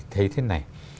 thấy thế này